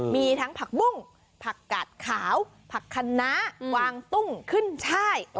มีทั้งผักบุ้งผักกาดขาวผักคณะกวางตุ้งขึ้นช่าย